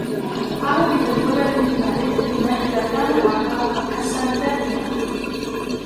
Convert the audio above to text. قاموا بتجربة لمعرفة ما اذا كان العقار قد حسن الذاكرة.